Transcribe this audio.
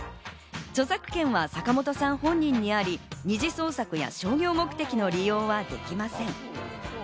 著作権は坂本さん本人にあり、二次創作や商用目的の利用はできません。